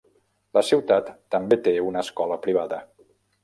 La ciutat també té una escola privada.